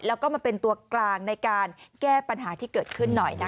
แล้วก็มาเป็นตัวกลางในการแก้ปัญหาที่เกิดขึ้นหน่อยนะคะ